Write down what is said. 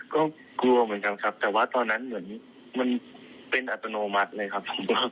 ก็กลัวเหมือนกันครับแต่ว่าตอนนั้นเหมือนมันเป็นอัตโนมัติเลยครับ